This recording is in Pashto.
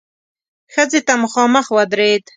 ښځې ته مخامخ ودرېد.